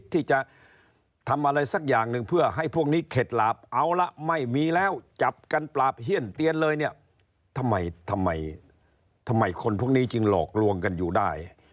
เตี้ยนเลยเนี่ยทำไมคนพวกนี้จริงหลอกลวงกันอยู่ได้